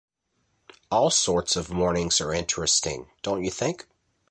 All sorts of mornings are interesting, don’t you think?